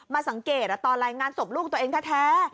สังเกตตอนรายงานศพลูกตัวเองแท้